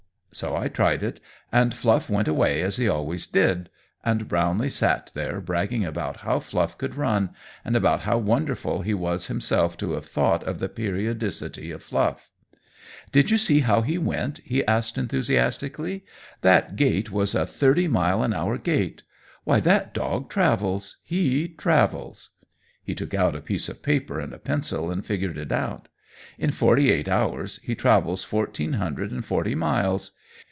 So I tried it, and Fluff went away as he always did; and Brownlee sat there bragging about how Fluff could run, and about how wonderful he was himself to have thought of the periodicity of Fluff. "Did you see how he went?" he asked enthusiastically. "That gait was a thirty mile an hour gait. Why, that dog travels he travels " He took out a piece of paper and a pencil and figured it out. "In forty eight hours he travels fourteen hundred and forty miles!